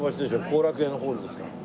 後楽園ホールですから。